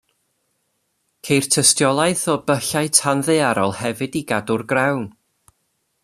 Ceir tystiolaeth o byllau tanddaearol hefyd i gadw'r grawn.